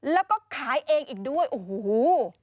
แล้วก็ขายเองอีกด้วยโอ้โห